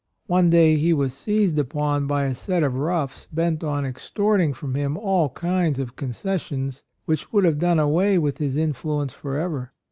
One day he was seized upon by a set of roughs bent on extorting from him all kinds of con cessions which would have AND MOTHER. 101 done away with his influence forever.